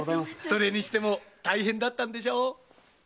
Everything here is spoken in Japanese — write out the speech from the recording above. それにしても大変だったんでしょう“袖の下”！